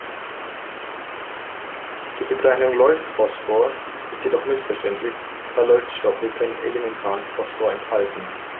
Die Bezeichnung Leucht-„Phosphor“ ist jedoch missverständlich, da Leuchtstoffe keinen elementaren Phosphor enthalten.